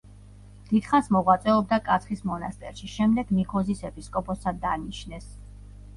დიდხანს მოღვაწეობდა კაცხის მონასტერში, შემდეგ ნიქოზის ეპისკოპოსად დანიშნეს.